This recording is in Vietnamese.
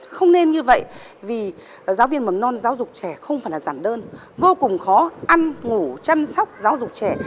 không nên như vậy vì giáo viên mầm non giáo dục trẻ không phải là giản đơn vô cùng khó ăn ngủ chăm sóc giáo dục trẻ